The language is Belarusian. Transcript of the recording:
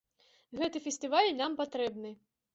Гэты фестываль нам патрэбны.